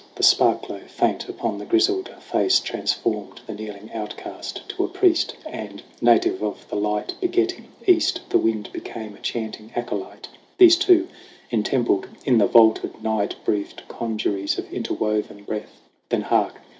The spark glow, faint upon the grizzled face, Transformed the kneeling outcast to a priest ; And, native of the light begetting East, The Wind became a chanting acolyte. These two, entempled in the vaulted night, Breathed conjuries of interwoven breath. Then, hark